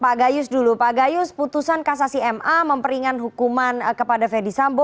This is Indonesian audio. pak gayus dulu pak gayus putusan kasasi ma memperingan hukuman kepada ferdisambo